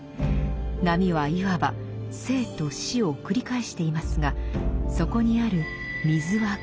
波はいわば生と死を繰り返していますがそこにある水は変わりません。